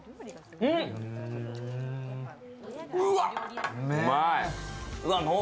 うわっ！